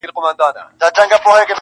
له نیکانو سره ظلم دی جفا ده ,